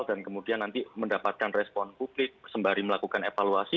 dan kemudian nanti mendapatkan respon publik sembari melakukan evaluasi